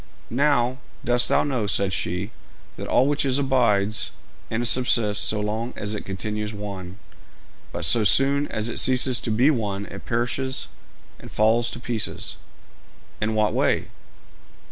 'Now, dost thou know,' said she, 'that all which is abides and subsists so long as it continues one, but so soon as it ceases to be one it perishes and falls to pieces?' 'In what way?'